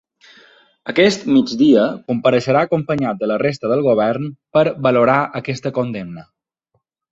Aquest migdia, compareixerà acompanyat de la resta del govern per valorar aquesta condemna.